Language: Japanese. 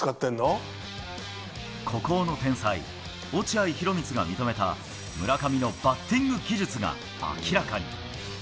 孤高の天才、落合博満が認めた村上のバッティング技術が明らかに。